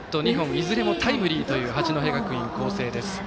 いずれもタイムリーという八戸学院光星です。